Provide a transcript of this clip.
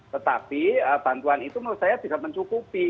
tetapi bantuan itu menurut saya bisa mencukupi